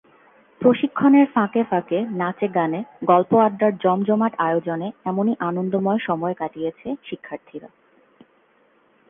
প্রশিক্ষণের ফাঁকে ফাঁকে নাচে-গানে, গল্প-আড্ডার জমজমাট আয়োজনে এমনই আনন্দময় সময় কাটিয়েছে শিক্ষার্থীরা।